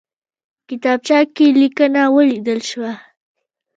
کتابچه کې لیکنه ولیدل شوه.